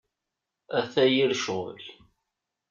Ata yir ccɣel!